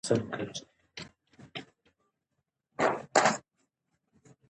هغه په متحده ایالاتو کې روزنه ترلاسه کړه.